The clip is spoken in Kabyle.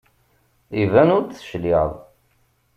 Iban ur d-tecliɛeḍ.